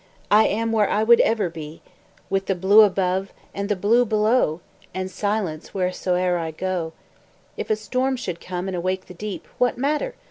I am where I would ever be; With the blue above, and the blue below, And silence wheresoe'er I go; If a storm should come and awake the deep, What matter?